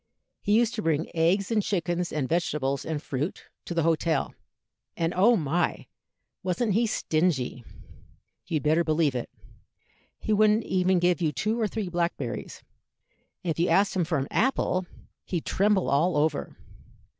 He used to bring eggs and chickens and vegetables and fruit to the hotel; and, oh my! wasn't he stingy? you'd better believe it. He wouldn't even give you two or three blackberries, and if you asked him for an apple, he'd tremble all over.